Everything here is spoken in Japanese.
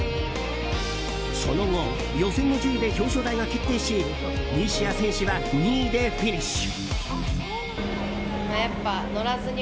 その後、予選の順位で表彰台が決定し西矢選手は２位でフィニッシュ。